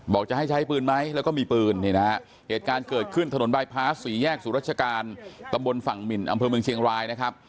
บอกจะให้ใช้ปืนไหมแล้วก็มีปืนเหตุการณ์เกิดขึ้นถนนบ้ายพ้า๔แยกสู่รัชกาลตำบลฝั่งหมิ่นอเมืองเชียงราย